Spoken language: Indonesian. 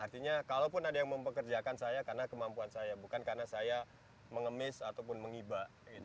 artinya kalaupun ada yang mempekerjakan saya karena kemampuan saya bukan karena saya mengemis ataupun mengiba